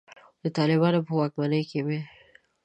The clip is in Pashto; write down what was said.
د طالبانو په واکمنۍ کې مې.